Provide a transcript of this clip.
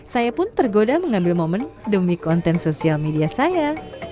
saya pun tergoda mengambil momen demi konten sosial media saya